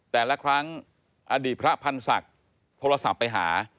แต่ละครั้งอดีตพระพันธ์ศักดิ์โทรศัพท์ไปหา